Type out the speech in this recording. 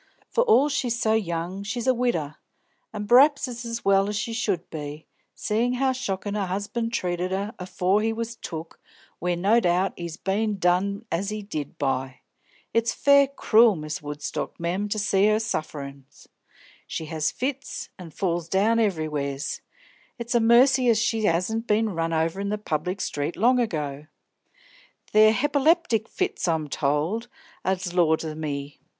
For all she's so young, she's a widder, an' pr'aps it's as well she should be, seein' how shockin' her 'usband treated her afore he was took where no doubt he's bein' done as he did by. It's fair cruel, Miss Woodstock, mem, to see her sufferin's. She has fits, an' falls down everywheres; it's a mercy as she 'asn't been run over in the public street long ago. They're hepiplectic fits, I'm told, an' laws o' me!